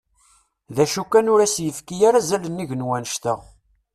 D acu kan ur as-yefki ara azal nnig n wannect-a.